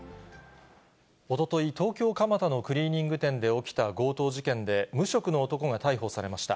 おととい、東京・蒲田のクリーニング店で起きた強盗事件で、無職の男が逮捕されました。